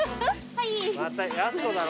またやす子だろ。